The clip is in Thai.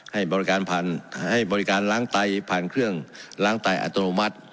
ให้บริการผ่านให้บริการล้างไตผ่านเครื่องล้างไตอัตโนมัติ